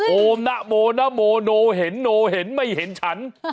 โอมนะโมนะโมโนเห็นโนเห็นไม่เห็นฉัน